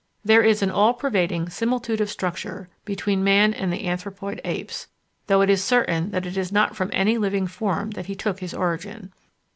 There is an "all pervading similitude of structure," between man and the Anthropoid Apes, though it is certain that it is not from any living form that he took his origin.